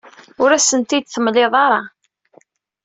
Ur asen-tent-id-temliḍ ara.